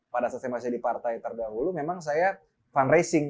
pada saat saya masih di partai terdahulu memang saya fundraising